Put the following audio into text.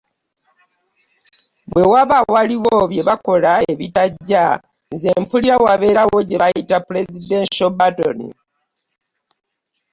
Bwe waba waliwo bye bakola ebitajja, nze mpulira wabeerawo gye bayita ‘Presidential Pardon